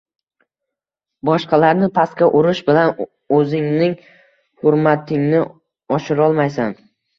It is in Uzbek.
Boshqalarni pastga urish bilan o‘zingning hurmatingni oshirolmaysan